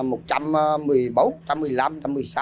ở một trăm một mươi bốn khu vực